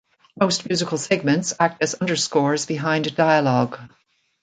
Most musical segments act as underscores behind dialogue.